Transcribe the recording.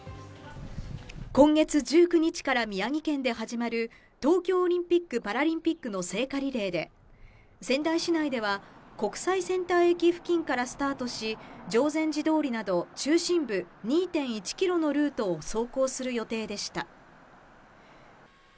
今月１９日から宮城県で始まる東京オリンピック・パラリンピックの聖火リレーで仙台市内では国際センター駅付近からスタートし、定禅寺通りなど、中心部２．１ｋｍのルートを走行する予定でした。